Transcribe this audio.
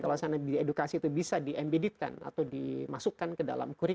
kalau edukasi itu bisa di embeditkan atau dimasukkan ke dalam kursus